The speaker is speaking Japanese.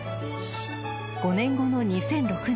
［５年後の２００６年］